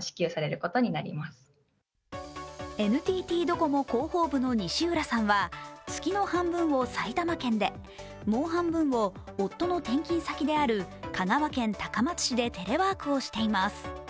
ＮＴＴドコモの広報部の西浦さんは月の半分を埼玉県で、もう半分を夫の転勤先である香川県高松市でテレワークをしています。